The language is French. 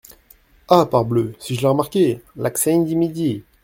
Ah ! parbleu ! si je l’ai remarqué… l’accent du midi.